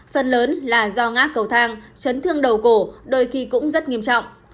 phần lớn là do ngã cầu thang chấn thương đầu cổ đôi khi cũng rất nghiêm trọng